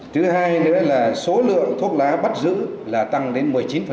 thứ hai nữa là số lượng thuốc lá bắt giữ là tăng đến một mươi chín